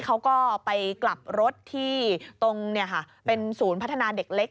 เขาก็ไปกลับรถที่ตรงเป็นศูนย์พัฒนาเด็กเล็ก